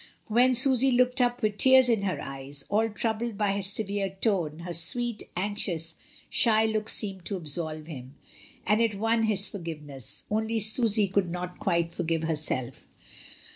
When Susy looked up with tears in her eyes, all troubled by his severe tone, her sweet, anxious, shy look seemed to absolve him, and it won his forgiveness; only Susy could not quite for give herself.